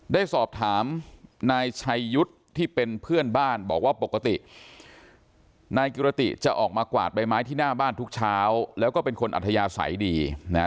ได้สอบถามนายชัยยุทธ์ที่เป็นเพื่อนบ้านบอกว่าปกตินายกิรติจะออกมากวาดใบไม้ที่หน้าบ้านทุกเช้าแล้วก็เป็นคนอัธยาศัยดีนะฮะ